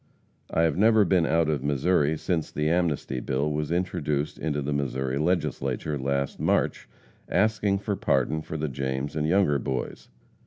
I have never been out of Missouri since the Amnesty Bill was introduced into the Missouri Legislature, last March, asking for pardon for the James and Younger Boys.